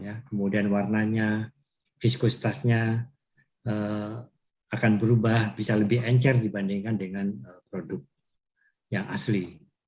kemudian warnanya fiskusitasnya akan berubah bisa lebih encer dibandingkan dengan produk yang asli